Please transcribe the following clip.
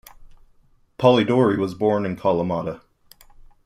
Polydouri was born in Kalamata.